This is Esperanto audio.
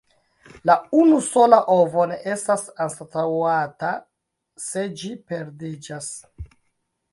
La unusola ovo ne estas anstataŭata se ĝi perdiĝas.